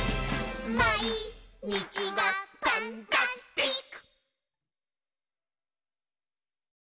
「まいにちがパンタスティック！」